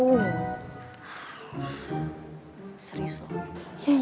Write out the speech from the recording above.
gue tuh lagi mikirin kau gue